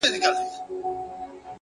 خپل قوتونه هره ورځ وده ورکړئ.!